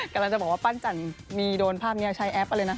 กำลังจะบอกว่าปั้นจันมีโดนภาพนี้ใช้แอปอะไรนะ